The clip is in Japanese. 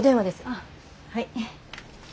ああはい。